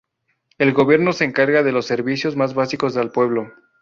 El Gobierno se encarga de los servicios más básicos al pueblo.